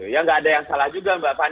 ya gak ada yang salah juga mbak pak